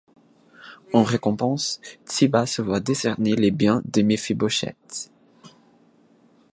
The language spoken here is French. En récompense, Tsiba se voit décerner les biens de Mephibosheth.